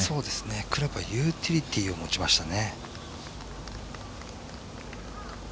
クラブはユーティリティーを持ちましたね。